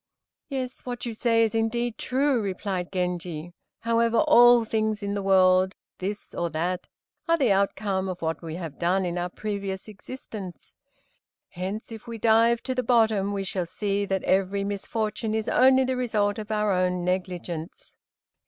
"Yes, what you say is indeed true," replied Genji. "However, all things in the world this or that are the outcome of what we have done in our previous existence. Hence if we dive to the bottom we shall see that every misfortune is only the result of our own negligence.